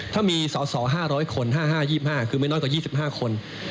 ถ้ามีสอสอ๕๐๐คน๕๕๒๕คือไม่น้อยกว่า๒๕คน